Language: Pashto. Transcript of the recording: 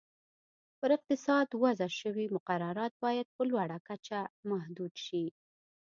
پر اقتصاد وضع شوي مقررات باید په لویه کچه محدود شي.